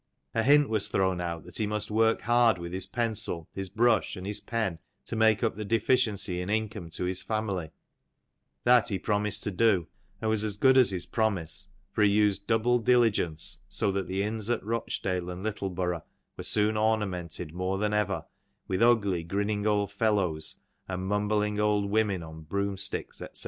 A hint was thrown out that he must work hard with his pencil, his brush, and his pen, to make up the defi ciency in income to his family ; that he promised to do, and was as good as his promise, for he used double diligence, so that the inns at Eoohdale and Littleborough were soon orna mented more than ever, with ugly grinning old fellows, and mumbling old women on broomsticks, &c.''